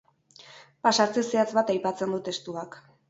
Pasarte zehatz bat aipatzen du testuak.